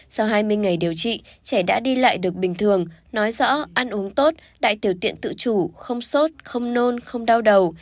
sau hai mươi ngày điều trị trẻ đã đi lại được bình thường nói rõ ăn uống tốt đại tiểu tiện tự chủ không sốt không nôn không đau đầu